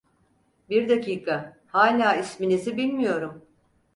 Bir dakika: Hâlâ isminizi bilmiyorum!